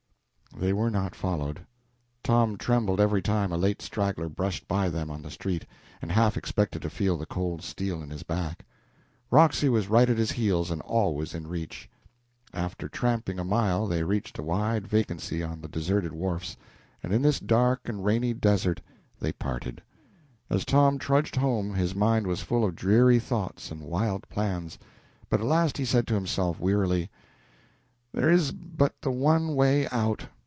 They were not followed. Tom trembled every time a late straggler brushed by them on the street, and half expected to feel the cold steel in his back. Roxy was right at his heels and always in reach. After tramping a mile they reached a wide vacancy on the deserted wharves, and in this dark and rainy desert they parted. As Tom trudged home his mind was full of dreary thoughts and wild plans; but at last he said to himself, wearily "There is but the one way out.